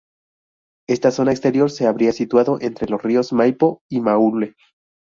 Esta zona exterior se habría situado entre los ríos Maipo y Maule.